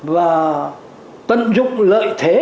và tận dụng lợi thế